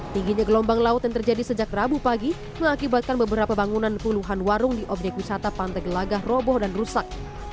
tingginya gelombang laut yang terjadi sejak rabu pagi mengakibatkan beberapa bangunan puluhan warung di objek wisata pantai gelagah roboh dan rusak